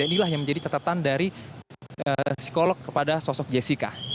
dan inilah yang menjadi catatan dari psikolog kepada sosok jessica